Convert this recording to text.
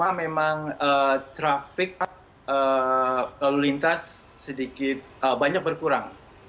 karena memang traffic lalu lintas sedikit banyak berkurang